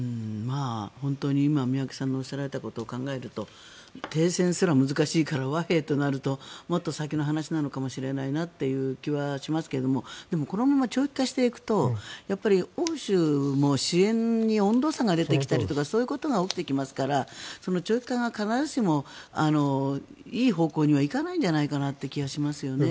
本当に宮家さんがおっしゃられたことを考えると停戦すら難しいから和平となるともっと先の話なのかもしれないなという気はしますがこのまま長期化していくと欧州も支援に温度差が出てきたりとかそういうことが起きてきますから長期化が必ずしもいい方向には行かないんじゃないかなという気がしますよね。